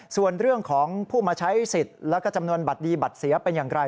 ส่วนเรื่องของผู้มาใช้สิทธิ์แล้วก็จำนวนบัตรดีบัตรเสียเป็นอย่างไร